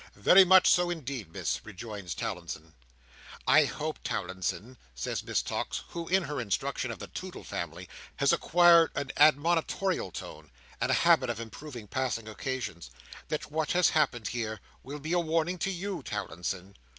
"Very much so indeed, Miss," rejoins Towlinson. "I hope, Towlinson," says Miss Tox, who, in her instruction of the Toodle family, has acquired an admonitorial tone, and a habit of improving passing occasions, "that what has happened here, will be a warning to you, Towlinson."